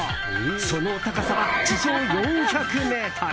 その高さは地上４００ｍ！